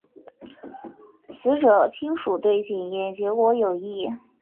死者亲属对检验结果有异。